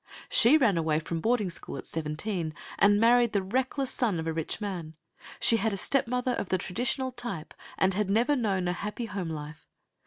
She ran away from boarding school at seventeen, and married the reckless son of a rich man. She had a stepmother of the traditional type, and had never known a happy home life.